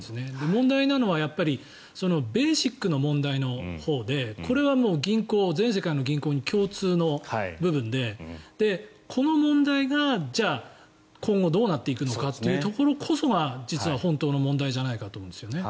問題なのはやっぱりそのベーシックの問題のほうでこれは全世界の銀行に共通の部分でこの問題がじゃあ、今後どうなっていくのかっていうところこそが実は本当の問題じゃないかと思うんですよね。